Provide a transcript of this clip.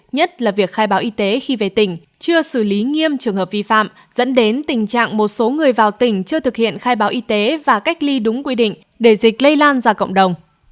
nhất là việc khai báo y tế khi về tỉnh chưa xử lý nghiêm trường hợp vi phạm dẫn đến tình trạng một số người vào tỉnh chưa thực hiện khai báo y tế và cách ly đúng quy định để dịch lây lan ra cộng đồng